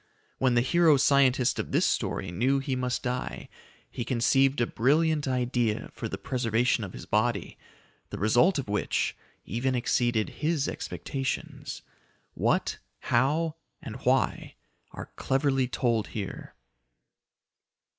When the hero scientist of this story knew he must die, he conceived a brilliant idea for the preservation of his body, the result of which even exceeded his expectations. What, how, and why are cleverly told here.